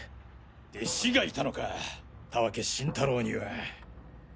弟子がいたのか田分晋太郎には。